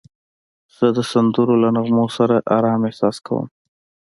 زه د سندرو له نغمو سره آرام احساس کوم.